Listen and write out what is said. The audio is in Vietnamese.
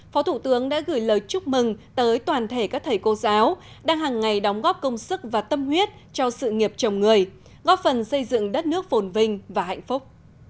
phó thủ tướng đã gửi lời chúc mừng tới toàn thể các thầy cô giáo đang hàng ngày đóng góp công sức và tâm huyết cho sự nghiệp chồng người góp phần xây dựng đất nước phồn vinh và hạnh phúc